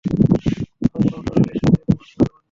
আমার পরামর্শ রইলো এসব নিয়ে ঘুম নষ্ট না করার জন্য।